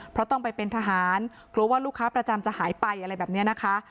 เพราะต้องไปเป็นทหารกลัวว่าลูกค้าประจำจะหายไปอะไรแบบนี้นะคะ